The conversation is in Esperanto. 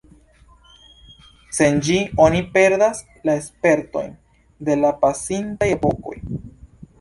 Sen ĝi oni perdas la spertojn de la pasintaj epokoj.